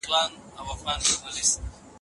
خلګ هم د خوښیو او هم د غمونو پر وخت شراب څښي.